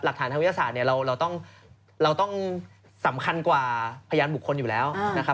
ทางวิทยาศาสตร์เนี่ยเราต้องสำคัญกว่าพยานบุคคลอยู่แล้วนะครับ